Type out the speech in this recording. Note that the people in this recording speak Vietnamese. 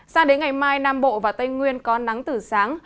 sao đến ngày mai nam bộ và tây nguyên có nắng từ sáng